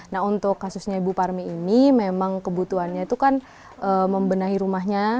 nah untuk kasusnya ibu parmi ini memang kebutuhannya itu kan membenahi rumahnya